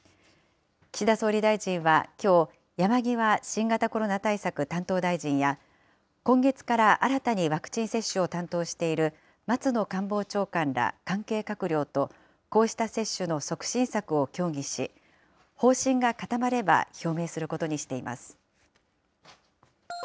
岸田総理大臣はきょう、山際新型コロナ対策担当大臣や、今月から新たにワクチン接種を担当している松野官房長官ら関係閣僚と、こうした接種の促進策を協議し、方針が固まれば表明することにしています。